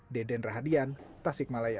deden rahadian tasikmalaya